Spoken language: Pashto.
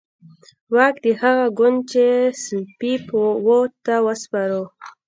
واک د هغه ګوند چې سلپيپ وو ته وسپاره.